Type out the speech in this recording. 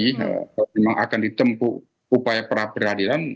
kalau memang akan ditempu upaya peradilan